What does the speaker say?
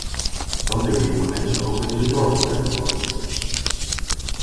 Dan willen jonge mensen ook weer in de dorpen blijven wonen.